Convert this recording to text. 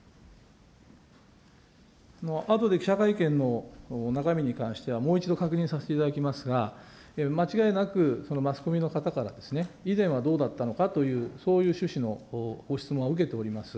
あとで記者会見の中身に関してはもう一度確認させていただきますが、間違いなく、マスコミの方から、以前はどうだったのかという、そういう趣旨のご質問は受けております。